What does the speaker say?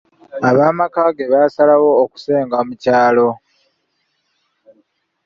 Ab'amaka ge baasalawo okusenga mu kyalo.